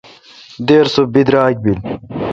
دیر سو بیراگ بل۔